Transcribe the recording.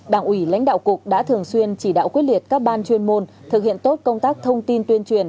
đảng ủy lãnh đạo cục đã thường xuyên chỉ đạo quyết liệt các ban chuyên môn thực hiện tốt công tác thông tin tuyên truyền